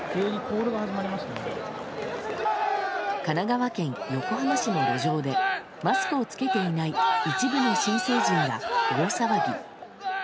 神奈川県横浜市の路上でマスクを着けていない一部の新成人が大騒ぎ。